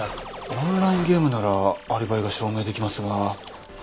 オンラインゲームならアリバイが証明できますが。